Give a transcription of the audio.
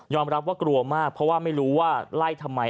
รับว่ากลัวมากเพราะว่าไม่รู้ว่าไล่ทำไม